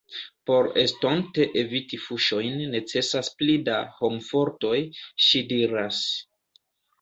Por estonte eviti fuŝojn necesas pli da homfortoj, ŝi diras.